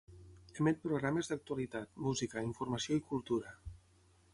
Emet programes d'actualitat, música, informació i cultura.